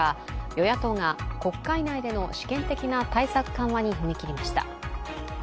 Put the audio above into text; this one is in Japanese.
与野党が国会内での試験的な対策緩和に踏み切りました。